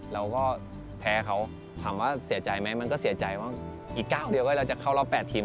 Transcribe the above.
เราก็แพ้เขาถามว่าเสียใจไหมมันก็เสียใจว่าอีก๙เดือนไว้เราจะเข้ารอบ๘ทีม